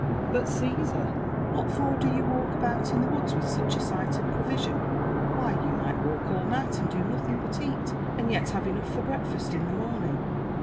But, Caesar, what for do you walk about the woods with snch a sight of provision? Why, you might walk all night and do nothing but eat, and yel have enough for breakfast in the morning."